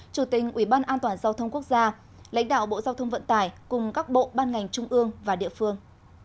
chủ tình ủy ban an toàn giao thông quốc gia lãnh đạo bộ giao thông vận tải cùng các bộ ban ngành trung ương và địa phương